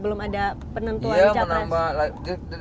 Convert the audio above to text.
belum ada penentuan capres